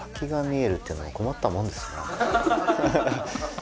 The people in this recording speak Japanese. え！